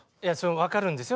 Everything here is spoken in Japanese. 分かるんですよ